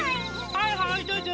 はいはいどうぞ。